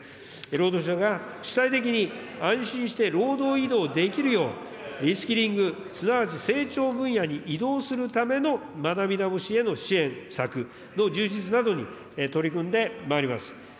労働者が主体的に安心して、労働移動できるよう、リスキリング、すなわち成長分野に移動する学び直しへの支援策の充実などに取組んでまいります。